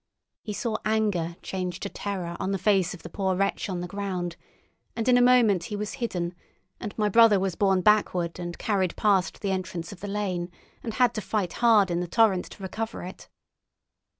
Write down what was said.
He saw anger change to terror on the face of the poor wretch on the ground, and in a moment he was hidden and my brother was borne backward and carried past the entrance of the lane, and had to fight hard in the torrent to recover it.